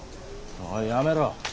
おいやめろ。